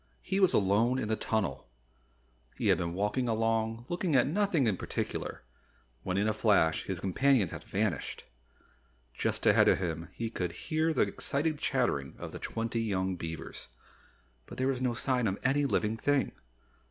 He was alone in the tunnel! He had been walking along looking at nothing in particular, when in a flash his companions had vanished. Just ahead of him he could hear the excited chattering of the twenty young beavers. But there was no sign of any living thing.